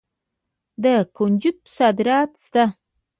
د کنجدو صادرات شته.